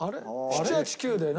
７８９で何？